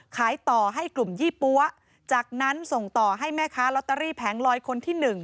ขายต่อให้กลุ่มยี่ปั๊วจากนั้นส่งต่อให้แม่ค้าลอตเตอรี่แผงลอยคนที่๑